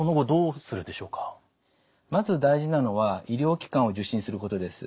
まず大事なのは医療機関を受診することです。